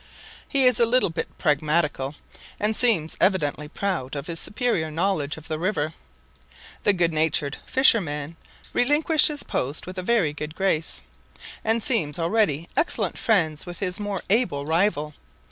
He is a little bit pragmatical, and seems evidently proud of his superior knowledge of the river. The good natured fisherman relinquished his post with a very good grace, and seems already excellent friends with his more able rival.